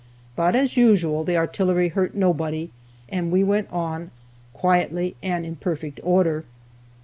But, as usual, the artillery hurt nobody, and we went on, quietly and in perfect order.